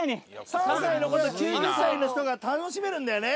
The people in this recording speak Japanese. ３歳の子と９０歳の人が楽しめるんだよね。